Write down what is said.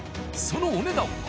そのお値段は？